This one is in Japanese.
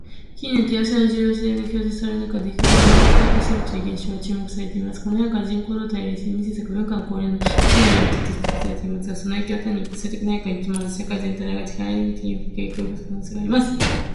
近年、多様性の重要性が強調される中で、白人がマイノリティ化するという現象が注目されています。この変化は、人口動態や移民政策、文化の交流など複数の要因によって引き起こされていますが、その影響は単に数的な変化にとどまらず、社会全体の価値観やアイデンティティに深く影響を及ぼす可能性があります。